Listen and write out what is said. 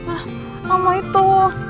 ah mama itu